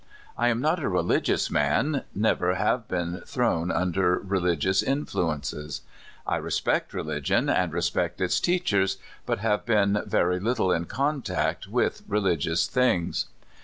I am not a religious man never have been thrown under religious influences. I respect religion, and respect its teachers, but have been very little in contact with religious things.